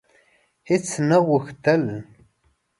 هیڅ نه غوښتل: